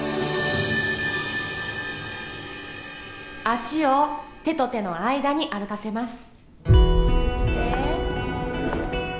足を手と手の間に歩かせます